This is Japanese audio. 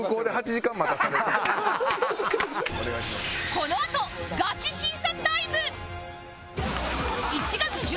このあとガチ審査タイム！